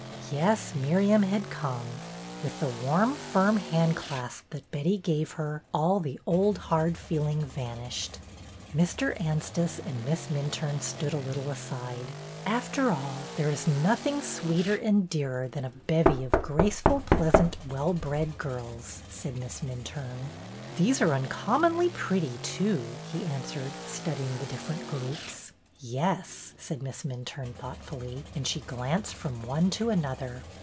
Yes, Miriam had come. With the warm, firm hand clasp that Betty gave her, all the old hard feeling vanished. Mr. Anstice and Miss Minturne stood a little aside. After all, there is nothing sweeter and dearer than a bevy of graceful, pleasant, well bred girls," said Miss Minturne. '' These are uncommonly pretty, too," he answered, studying the different groups. THE RECEPTION 321 Yes/' said Miss Minturne, thoughtfully, and she glanced from one to another.